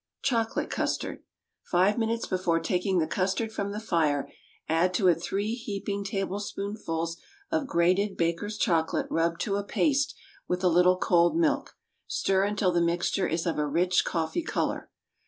Chocolate Custard. Five minutes before taking the custard from the fire, add to it three heaping tablespoonful of grated Baker's chocolate rubbed to a paste with a little cold milk. Stir until the mixture is of a rich coffee color.